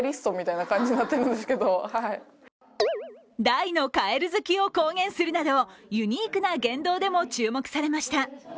大のかえる好きを公言するなどユニークな言動でも注目されました。